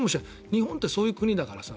日本ってそういう国だからさ。